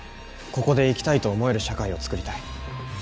ここで生きたいと思える社会を作りたい。